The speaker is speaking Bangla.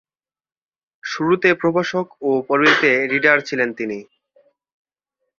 শুরুতে প্রভাষক ও পরবর্তীতে রিডার ছিলেন তিনি।